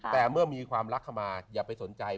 แต่เมื่อมีความรักเข้ามาอย่าไปสนใจ